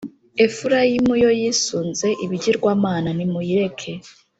Efurayimu yo yisunze ibigirwamana, nimuyireke!